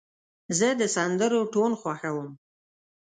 زه د سندرو ټون خوښوم.